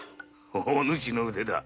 お主の腕だ。